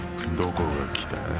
どこが来た？